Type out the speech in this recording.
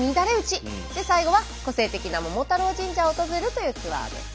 最後は個性的な桃太郎神社を訪れるというツアーです。